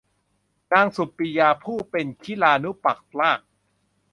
นางสุปปิยา ผู้เป็นคิลานุปัฎฐาก